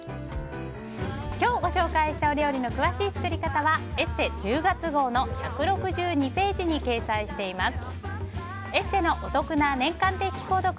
今日ご紹介した料理の詳しい作り方は「ＥＳＳＥ」１０月号の１６２ページに掲載しています。